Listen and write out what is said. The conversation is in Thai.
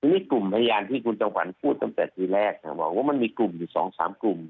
นี่กลุ่มพยานที่คุณจำขวัญพูดตั้งแต่ทีแรกบอกว่ามันมีกลุ่มอยู่๒๓กลุ่ม